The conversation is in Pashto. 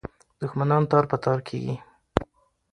دښمنان تار په تار کېږي.